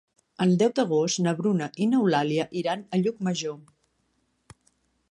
El deu d'agost na Bruna i n'Eulàlia iran a Llucmajor.